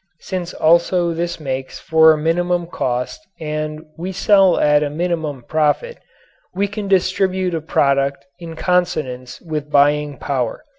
Since also this makes for a minimum cost and we sell at a minimum profit, we can distribute a product in consonance with buying power.